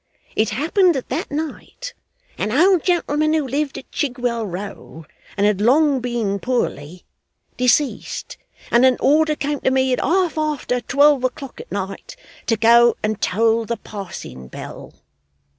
It happened that that night, an old gentleman who lived at Chigwell Row, and had long been poorly, deceased, and an order came to me at half after twelve o'clock at night to go and toll the passing bell.